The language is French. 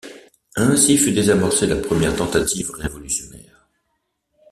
Ainsi fut désamorcée la première tentative révolutionnaire.